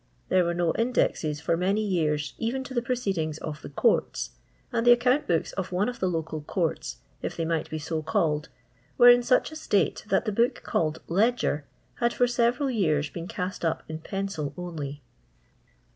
There were no aiudtxes for many years even to the proceedings of cna Courts ; and the account books of one of the local Courts, if they might be so called, were in such a state that the book called " ledger" had for several years been cast up in pencil only.